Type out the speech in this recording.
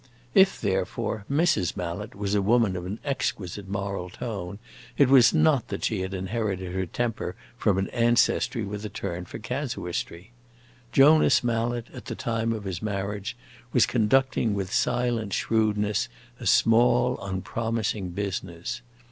If, therefore, Mrs. Mallet was a woman of an exquisite moral tone, it was not that she had inherited her temper from an ancestry with a turn for casuistry. Jonas Mallet, at the time of his marriage, was conducting with silent shrewdness a small, unpromising business.